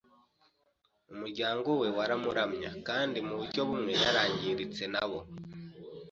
Umuryango we waramuramya kandi muburyo bumwe yarangiritse nabo.